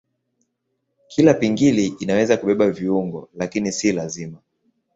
Kila pingili inaweza kubeba viungo lakini si lazima.